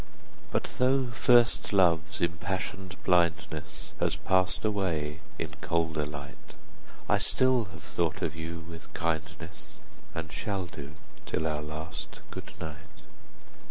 But though first love's impassion'd blindness Has pass'd away in colder light, 50 I still have thought of you with kindness, And shall do, till our last good night.